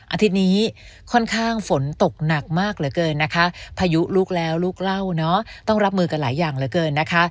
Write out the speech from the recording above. อาทิตย์นี้ค่อนข้างฝนตกหนักมากเหลือเกินนะคะพายุลูกแล้วลูกเล่าเนอะต้องรับมือกันหลายอย่างเหลือเกินนะคะ